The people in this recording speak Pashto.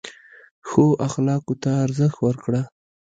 ښو اخلاقو ته ارزښت ورکړه.